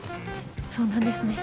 そうなんですね。